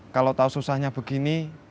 kalau tahu susahnya begini